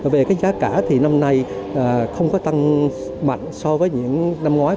về cái giá cả thì năm nay không có tăng mạnh so với những năm ngoái